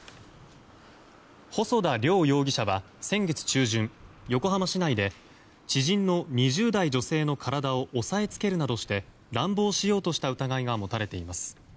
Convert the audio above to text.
細田凌容疑者は先月中旬横浜市内で知人の２０代女性の体を押さえつけるなどして乱暴した疑いが持たれています。